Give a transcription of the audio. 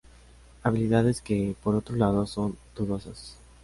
Habilidades que, por otro lado, son dudosas.